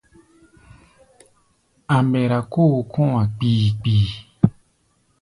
A̧ mbɛra kóo kɔ̧́-a̧ kpii-kpii.